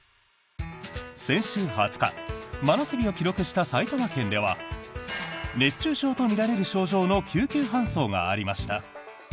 先週２０日真夏日を記録した埼玉県では熱中症とみられる症状の救急搬送がありました。